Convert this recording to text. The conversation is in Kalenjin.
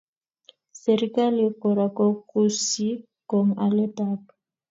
Serikali kora kokusyi kong aletab.